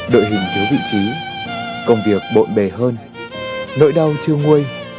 đội hình thiếu vị trí công việc bộn bề hơn nỗi đau chưa nguôi